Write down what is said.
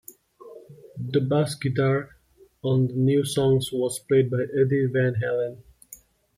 The bass guitar on the new songs was played by Eddie Van Halen.